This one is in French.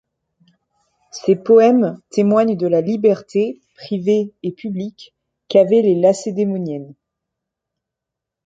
Ses poèmes témoignent de la liberté, privée et publique, qu'avaient les Lacédémoniennes.